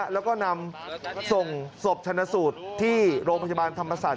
แล้วก็นำส่งศพชนะสูตรที่โรงพยาบาลธรรมศาสตร์